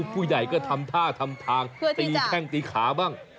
ผู้ใหญ่ก็ทำท่าทำทางตีแข้งตีขาบ้าง